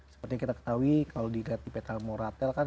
seperti yang kita ketahui kalau dikatasi pt moraltel kan